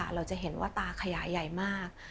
เราจะเห็นว่าตาขยายใหญ่มาก